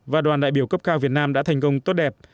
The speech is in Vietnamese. và đoàn đại biểu cấp cao việt nam đã thành công tốt đẹp